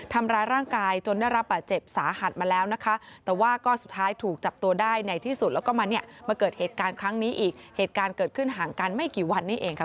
ทำร้ายร่างกายจนได้รับเจ็บสาหัสมาแล้วนะคะ